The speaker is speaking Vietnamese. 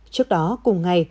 trước đó cùng ngày